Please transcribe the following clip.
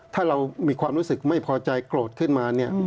ถ้าเรามีความรู้สึกไม่พอใจโกรธขึ้นมาเนี่ย